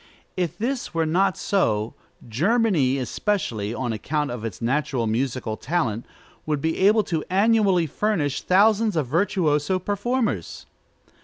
If this were not so, Germany especially, on account of its natural musical talent, would be able annually to furnish thousands of virtuoso performers.